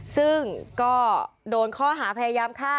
ซึ่งก็โดนข้อหาพยายามฆ่า